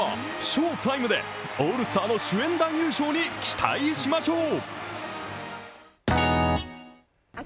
翔タイムでオールスターの主演男優賞に期待しましょう。